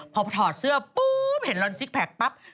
พอถอดเสื้อปุ๊บเห็นลอนซิกแพคปั๊บ